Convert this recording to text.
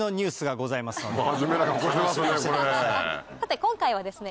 さて今回はですね